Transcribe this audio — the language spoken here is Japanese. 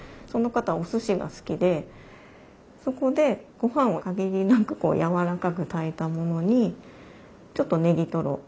その方おすしが好きでそこでごはんを限りなくやわらかく炊いたものにちょっとネギトロ